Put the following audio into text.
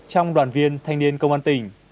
trong đoàn viên thanh niên công an tỉnh